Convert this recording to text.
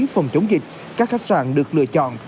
phòng chống dịch các khách sạn được lựa chọn